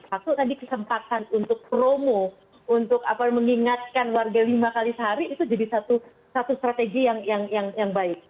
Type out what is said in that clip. satu tadi kesempatan untuk promo untuk mengingatkan warga lima kali sehari itu jadi satu strategi yang baik